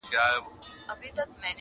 څومره ښکلې دي کږه توره مشوکه٫